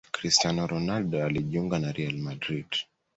Cristiano Ronaldo alijuinga na Real Madrid